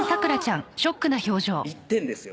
１点ですよ